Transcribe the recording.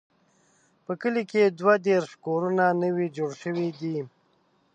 په کلي کې دوه دیرش کورونه نوي جوړ شوي دي.